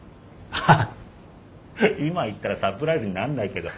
ハハッ今言ったらサプライズになんないけど。